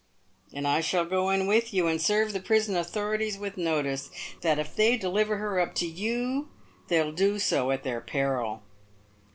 " And I shall go in with you and serve the prison authorities with notice, that if they deliver her up to you, they'll do so at their peril."